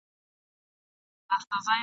لټ د دوبي سیوری غواړي د ژمي پیتاوی ..